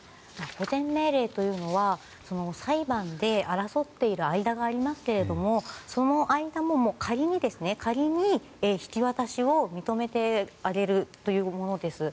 保全命令というのは裁判で争っている間がありますけれどもその間も、仮に引き渡しを認めてあげるというものです。